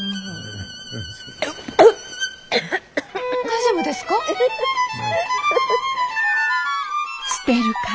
大丈夫ですか？